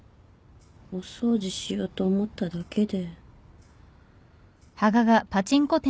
お掃除しようと思っただけで。